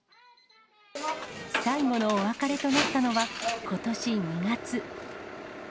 最後のお別れとなったのはことし２月。